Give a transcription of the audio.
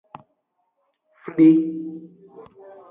Fli.